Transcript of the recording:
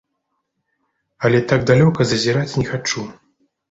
Але так далёка зазіраць не хачу.